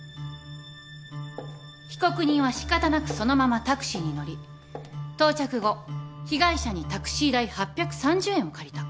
被告人は仕方なくそのままタクシーに乗り到着後被害者にタクシー代８３０円を借りた。